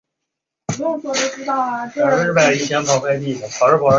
隆安秋海棠为秋海棠科秋海棠属的植物。